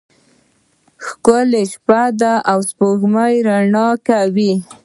ښکلی شپه ده او سپوږمۍ رڼا کوي.